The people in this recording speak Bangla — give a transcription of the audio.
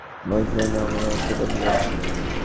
বিশ্বাস হচ্ছে না, তুমি ওদেরকে বলেছ আমরা সুপারহিরো।